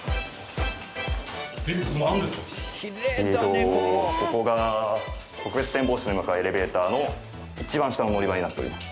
えーっとここが特別展望室に向かうエレベーターの一番下の乗り場になっております。